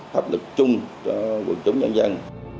hợp lực chung cho quân chúng dân dân